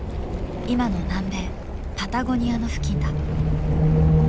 今の南米パタゴニアの付近だ。